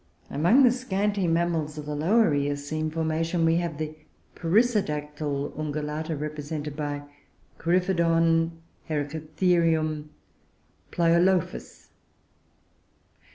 Among the scanty mammals of the Lower Eocene formation we have the perissodactyle Ungulata represented by Coryphodon, Hyracotherium, and Pliolophus.